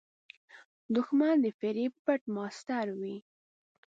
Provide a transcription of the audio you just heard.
دښمن د فریب پټ ماسټر وي